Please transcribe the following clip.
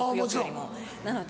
もちろん。